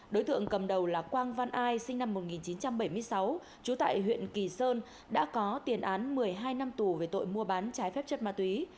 đối tượng cầm đầu là quang văn ai sinh năm một nghìn chín trăm bảy mươi sáu trú tại huyện kỳ sơn đã có tiền án một mươi hai năm tù về tội mua bán trái phép chất ma túy